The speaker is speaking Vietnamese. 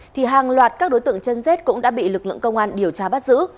thì hàng loạt các đối tượng chân dép cũng đã bị lụt